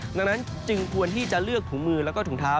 ดังนั้นจึงควรที่จะเลือกถุงมือแล้วก็ถุงเท้า